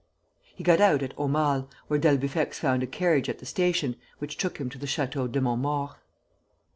He got out at Aumale, where d'Albufex found a carriage at the station which took him to the Chateau de Montmaur.